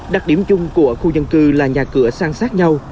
đặc điểm chung của khu dân cư là nhà cửa sang sát nhau